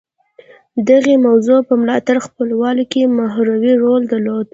دغې موضوع په ملاتړ خپلولو کې محوري رول درلود